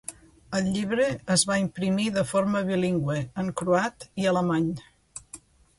El llibre es va imprimir de forma bilingüe, en croat i alemany.